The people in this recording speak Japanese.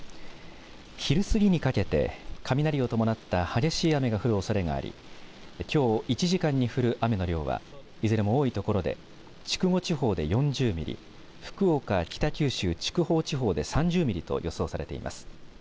昼過ぎにかけて雷を伴った激しい雨が降るおそれがありきょう１時間に降る雨の量はいずれも多いところで筑後地方で４０ミリ福岡、北九州、筑豊地方で３０ミリと予想されています。